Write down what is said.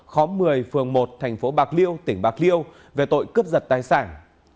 khóm một mươi phường một thành phố bạc liêu tỉnh bạc liêu về tội cướp giật tài sản